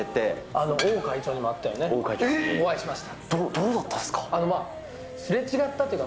どうだったですか？